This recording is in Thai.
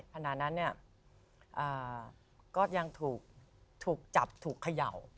ขณะนั้นเนี่ยก็ยังถูกจับถูกเขย่า